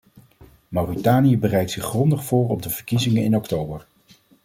Mauritanië bereidt zich grondig voor op de verkiezingen in oktober.